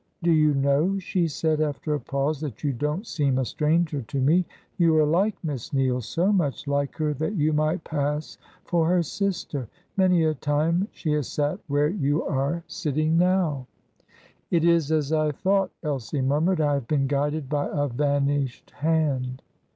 "Do you know," she said, after a pause, "that you don't seem a stranger to me? You are like Miss Neale so much like her that you might pass for her sister. Many a time she has sat where you are sitting now." "It is as I thought," Elsie murmured. "I have been guided by a vanished hand."